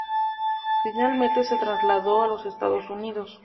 Finalmente se trasladó a los Estados Unidos